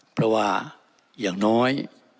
เพราะว่าอย่างน้อย